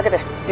gue kasar ya